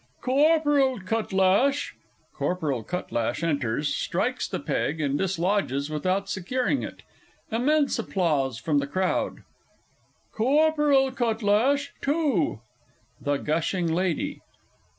_) Corporal Cutlash! (Corporal C. enters, strikes the peg, and dislodges without securing it. Immense applause from the Crowd.) Corporal Cutlash two! THE GUSHING LADY.